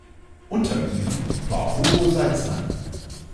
Unter ihnen war Hugo Salzmann.